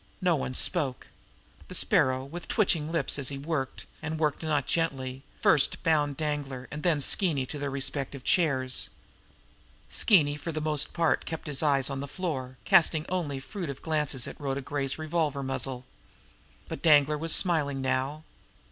No one spoke. The Sparrow, with twitching lips as he worked, and worked not gently, bound first Danglar and then Skeeny to their respective chairs. Skeeny for the most part kept his eyes on the floor, casting only furtive glances at Rhoda Gray's revolver muzzle. But Danglar was smiling now.